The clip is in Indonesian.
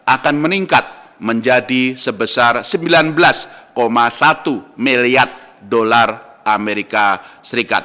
akan meningkat menjadi sebesar sembilan belas satu miliar dolar amerika serikat